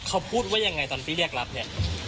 เขาพูดว่ายังไงตอนที่เรียกรับเนี่ย